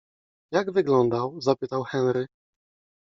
- Jak wyglądał? - zapytał Henry.